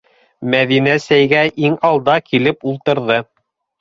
Мәҙинә сәйгә иң алда килеп ултырҙы.